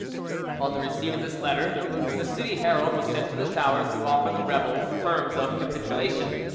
On the receipt of this letter, the city herald was sent to the towers to offer the rebels terms of capitulation.